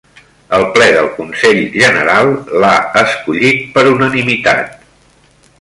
El ple del Consell General l'ha escollit per unanimitat.